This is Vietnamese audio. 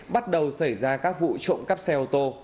bắt đầu xảy ra các vụ trộm cắp xe ô tô